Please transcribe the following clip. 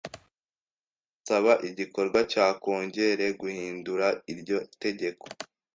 Bizasaba igikorwa cya Kongere guhindura iryo tegeko.